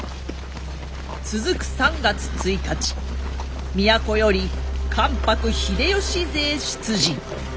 続く３月１日都より関白秀吉勢出陣。